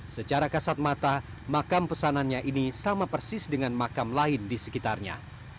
secara kasat mata makam pesanannya ini sama persis dengan makam lain di sekitarnya